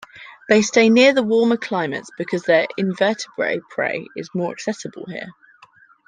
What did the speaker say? They stay near the warmer climates because their invertebrate prey is more accessible here.